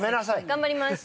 頑張ります。